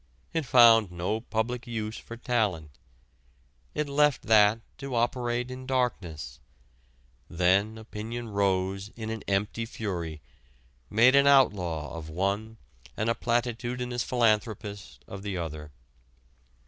It found no public use for talent. It left that to operate in darkness then opinion rose in an empty fury, made an outlaw of one and a platitudinous philanthropist of the other.